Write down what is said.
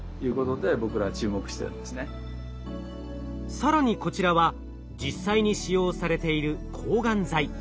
更にこちらは実際に使用されている抗がん剤。